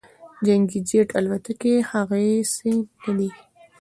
جنګي جیټ الوتکې هغسې نه دي